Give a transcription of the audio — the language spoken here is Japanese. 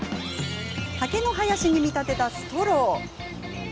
竹の林に見立てたストロー。